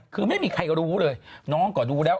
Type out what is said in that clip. คือไม่มีใครรู้เลยน้องก็ดูแล้ว